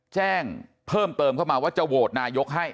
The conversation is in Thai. แจ้งเพิ่มเติมเข้ามาว่าจะโหวตนายกให้